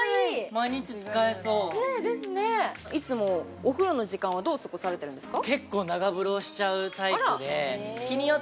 毎日使えそういつもお風呂の時間はどう過ごされてるんですか？